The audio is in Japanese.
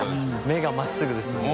目が真っすぐですもんね。